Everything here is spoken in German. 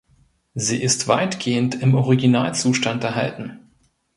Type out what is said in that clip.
Sie ist weitgehend im Originalzustand erhalten.